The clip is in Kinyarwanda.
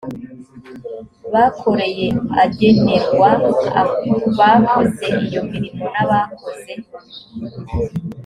bakoreye agenerwa abakoze iyo mirimo n abakoze